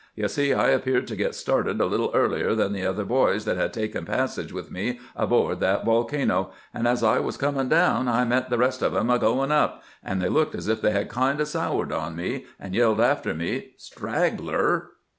You see, I ap peared to get started, a little earlier than the other boys that had taken passage with me aboard that volcano ; and as I was comin' down I met the rest of 'em a goin' up, and they looked as if they had kind o' soured on me, and yeUed after me, ' Straggler